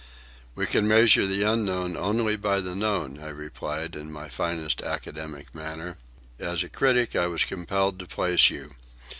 "We can measure the unknown only by the known," I replied, in my finest academic manner. "As a critic I was compelled to place you.